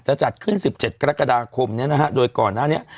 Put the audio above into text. จะจัดขึ้นสิบเจ็ดกรกฎาคมเนี้ยนะฮะโดยก่อนนะเนี้ย